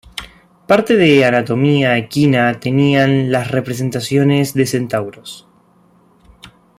Parte de anatomía equina tenían las representaciones de centauros.